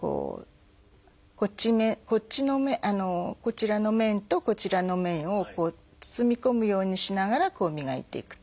こちらの面とこちらの面を包み込むようにしながら磨いていく。